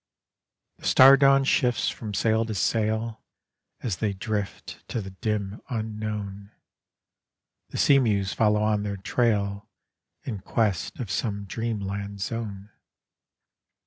The star dawn shifts from sail to sail, As they drift to the dim unknown, The sea mews follow on their trail In quest of some dreamland zone.